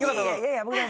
いやいや。